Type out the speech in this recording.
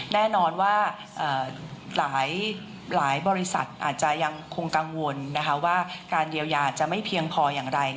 แน่นอนว่าหลายบริษัทอาจจะยังคงกังวลว่าการเยียวยาจะไม่เพียงพออย่างไร